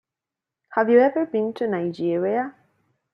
Have you ever been to Nigeria?